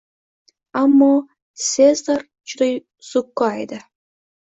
Ammo, Sezar juda zukko edi